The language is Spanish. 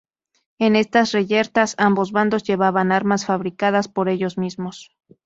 En estas reyertas ambos bandos llevaban armas fabricadas por ellos mismos.